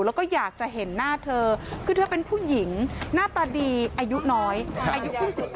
แล้วก็อยากจะเห็นหน้าเธอคือเธอเป็นผู้หญิงหน้าตาดีอายุน้อยอายุ๒๙